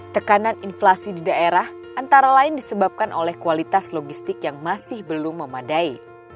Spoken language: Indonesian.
tekanan inflasi di daerah antara lain disebabkan oleh kualitas logistik yang masih belum memadai